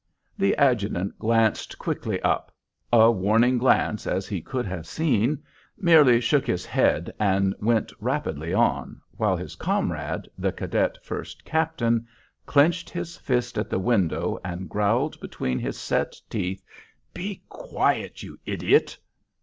The adjutant glanced quickly up, a warning glance as he could have seen, merely shook his head, and went rapidly on, while his comrade, the cadet first captain, clinched his fist at the window and growled between his set teeth, "Be quiet, you idiot!"